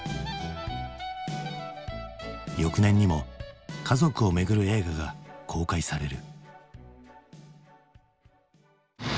翌年にも家族をめぐる映画が公開される。